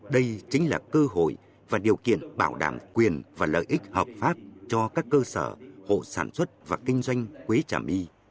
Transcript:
đây chính là cơ hội và điều kiện bảo đảm quyền và lợi ích hợp pháp cho các cơ sở hộ sản xuất và kinh doanh quế trà my